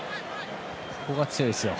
ここが強いですよ。